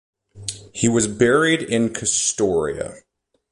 He was buried in Kastoria.